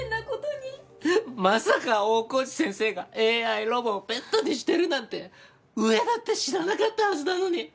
まさか大河内先生がＡＩロボをペットにしてるなんて上だって知らなかったはずなのに。